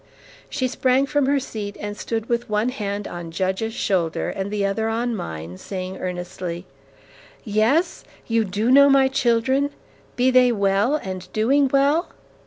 '" "She sprang from her seat, and stood with one hand on Judge's shoulder, and the other on mine, saying earnestly, "'Yes! You do know my children? Be they well, and doing well?'